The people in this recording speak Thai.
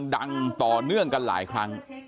อาริยะอาริยะแบบดังต่อเนื่องกันหลายครั้ง